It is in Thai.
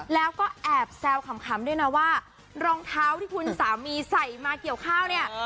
แล้วก็แอบแซวขำด้วยนะว่ารองเท้าที่คุณสามีใส่มาเกี่ยวข้าวเนี่ย